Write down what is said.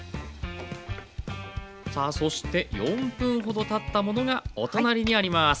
さあそして４分ほどたったものがお隣にあります。